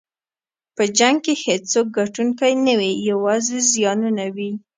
په جنګ کې هېڅوک ګټونکی نه وي، یوازې زیانونه وي.